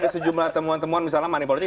ada sejumlah temuan temuan misalnya manipolitik